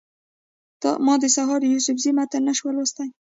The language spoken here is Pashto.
ما د سحر یوسفزي متن نه شو لوستلی.